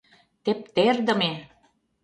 — Тептердыме!